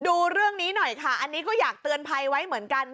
ดูเรื่องนี้หน่อยค่ะอันนี้ก็อยากเตือนภัยไว้เหมือนกัน